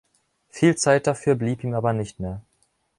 Viel Zeit dafür blieb ihm aber nicht mehr.